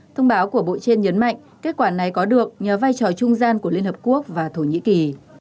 thông báo của bộ trên nhấn mạnh kết quả này có được nhờ vai trò trung gian của liên hợp quốc và thổ nhĩ kỳ